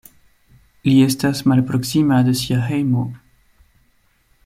Li estas malproksima de sia hejmo.